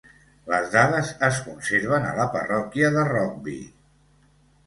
Les dades es conserven a la parròquia de Rokeby.